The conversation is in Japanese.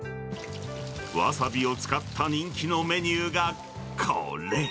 ワサビを使った人気のメニューがこれ。